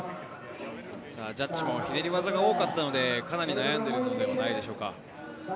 ジャッジも、ひねり技が多かったので、かなり悩んでいるのではないでしょうか。